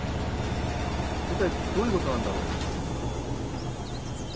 一体どういうことなんだろう。